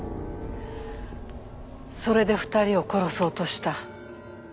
それで２人を殺そうとした？